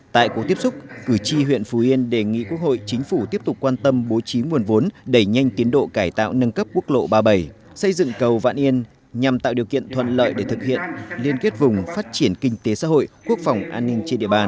tại cuộc tiếp xúc cử tri huyện phú yên đề nghị quốc hội chính phủ tiếp tục quan tâm bố trí nguồn vốn đẩy nhanh tiến độ cải tạo nâng cấp quốc lộ ba mươi bảy xây dựng cầu vạn yên nhằm tạo điều kiện thuận lợi để thực hiện liên kết vùng phát triển kinh tế xã hội quốc phòng an ninh trên địa bàn